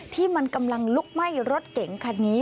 ที่มันกำลังลุกไหม้รถเก๋งคันนี้